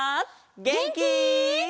げんき？